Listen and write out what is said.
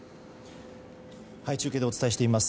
中継でお伝えしています。